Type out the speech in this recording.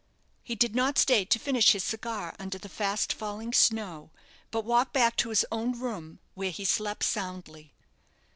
He did not stay to finish his cigar under the fast falling snow; but walked back to his own room, where he slept soundly.